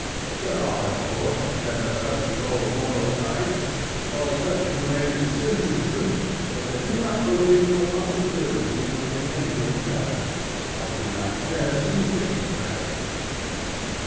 There are, of course, men of such low moral type, or of such ingrained cynicism, that they do not believe in the possibility of making anything better, or do not care to see things better.